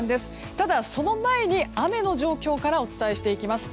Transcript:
ただ、その前に雨の状況からお伝えしていきます。